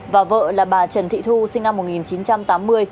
và vợ là bà trần thị thu sinh năm một nghìn chín trăm tám mươi